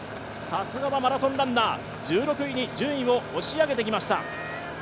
さすがはマラソンランナー、１６位に順位を押し上げてきました。